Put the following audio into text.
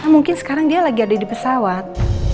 mungkin sekarang dia lagi ada di pesawat